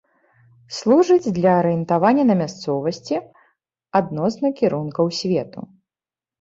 Служыць для арыентавання на мясцовасці адносна кірункаў свету.